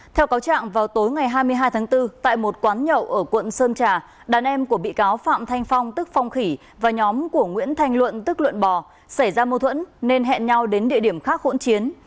theo cáo trạng vào tối ngày hai mươi hai tháng bốn tại một quán nhậu ở quận sơn trà đàn em của bị cáo phạm thanh phong tức phong khỉ và nhóm của nguyễn thanh luận tức luộn bò xảy ra mâu thuẫn nên hẹn nhau đến địa điểm khác hỗn chiến